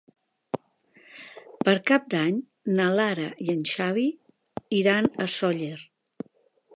Per Cap d'Any na Lara i en Xavi iran a Sóller.